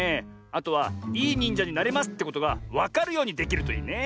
あとは「いいにんじゃになれます！」ってことがわかるようにできるといいね。